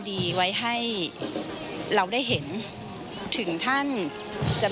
ที่มีโอกาสได้ไปชม